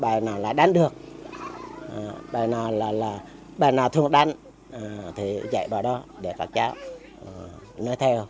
biết sau này là sẽ dạy thêm cho các cháu nhưng bài nào lại đánh được bài nào thường đánh thì dạy vào đó để các cháu nói theo